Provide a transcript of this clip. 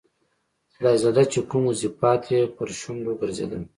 خدایزده چې کوم وظیفات یې پر شونډو ګرځېدل.